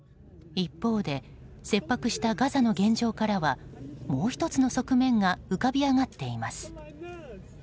一方で切迫したガザの現状からはもう１つの側面が浮かび上がっています。